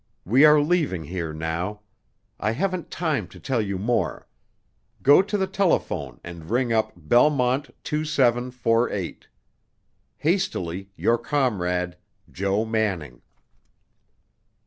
We are leaving here now. I haven't time to tell you more. Go to the telephone and ring up Belmont 2748. Hastily, your comrade, JO MANNING."